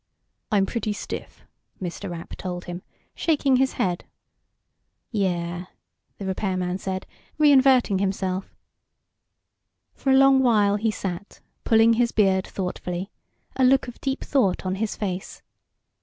"I'm pretty stiff," Mr. Rapp told him, shaking his head. "Yeah," the repairman said, reinverting himself. For a long while he sat, pulling his beard thoughtfully, a look of deep thought on his face.